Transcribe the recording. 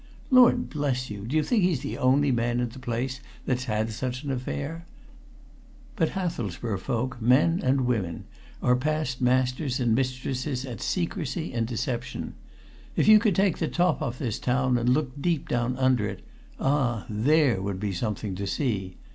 Lord bless you, do you think he's the only man in the place that's had such an affair? But Hathelsborough folk, men and women, are past masters and mistresses at secrecy and deception! If you could take the top off this town, and look deep down under it ah! there would be something to see.